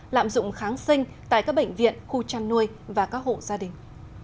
lạm dụng kháng sinh tại các bệnh viện khu chăn nuôi và các hộ gia đình